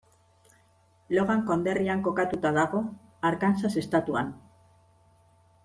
Logan konderrian kokatuta dago, Arkansas estatuan.